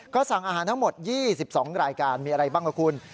ก็สั่งอาหารทั้งหมด๒๒รายการมีอะไรบ้างล่ะคุณ